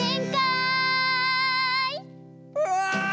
うわ！